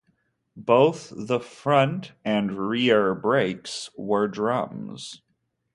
Both the front and rear brakes were drums.